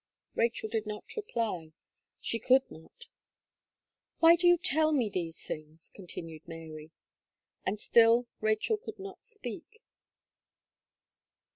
Rachel did not reply she could not. "Why do you tell me all these things?" continued Mary. And still Rachel could not speak.